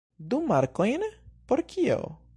Du markojn? Por kio?